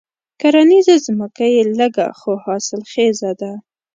کرنيزه ځمکه یې لږه خو حاصل خېزه ده.